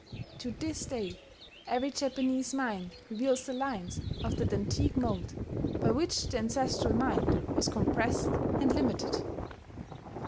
To this day every Japanese mind reveals the lines of that antique mould by which the ancestral mind was compressed and limited.